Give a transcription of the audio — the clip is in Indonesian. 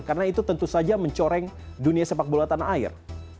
karena itu tentu saja mencoreng dunia sepak bola tanah air